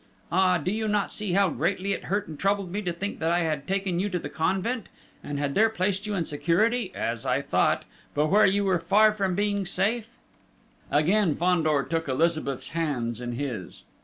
Ah, do you not see how greatly it hurt and troubled me to think that I had taken you to the convent, and had there placed you in security as I thought but where you were far from being safe?" Again Fandor took Elizabeth's hands in his.